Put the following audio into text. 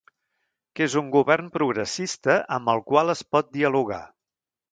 Que és un govern progressista amb el qual es pot dialogar.